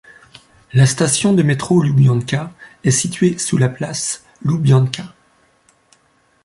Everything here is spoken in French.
La station de métro Loubianka est située sous la Place Loubianka.